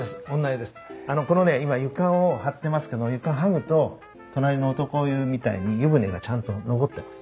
あのこのね今床を張ってますけど床剥ぐと隣の男湯みたいに湯船がちゃんと残ってます。